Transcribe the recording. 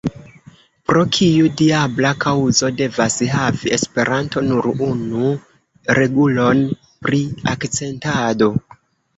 Pro kiu diabla kaŭzo devas havi Esperanto nur unu regulon pri akcentado?